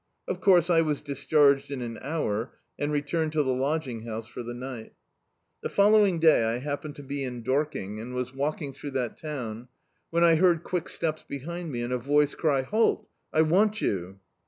Of course, I was discharged in an hour, and returned to the lodging house for the ni^L The following day I happened to be in Dorking, and was walking throu^ that town, when I heard quick steps behind me, and a voice cry — "Halt: I want you."